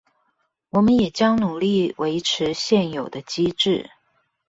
我們也將努力維持現有的機制